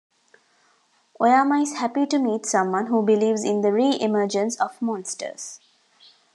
Oyama is happy to meet someone who believes in the re-emergence of monsters.